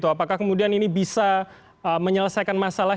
apakah kemudian ini bisa menyelesaikan masalah